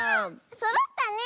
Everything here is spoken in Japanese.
そろったね！